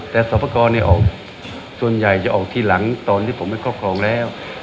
แต่สอบประกอบเนี่ยออกส่วนใหญ่จะออกทีหลังตอนที่ผมไปครอบครองแล้ว